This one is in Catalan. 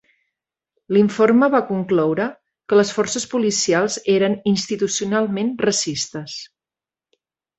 L'informe va concloure que les forces policials eren "institucionalment racistes".